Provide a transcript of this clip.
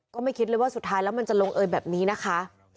ก็ไม่คิดเลยว่าสุดท้ายแล้วมันจะลงเอยแบบนี้นะคะ